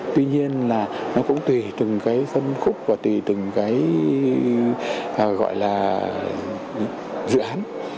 tuy nhiên là nó cũng tùy từng cái phân khúc và tùy từng cái gọi là dự án